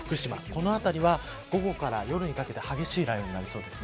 この辺りは午後から夜にかけて激しい雷雨になりそうです。